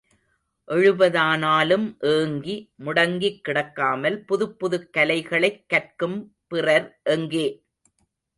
எழுபதானாலும் ஏங்கி, முடங்கிக் கிடக்காமல், புதுப் புதுக் கலைகளைக் கற்கும் பிறர் எங்கே?